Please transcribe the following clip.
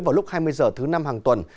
vào lúc hai mươi h thứ năm hàng tuần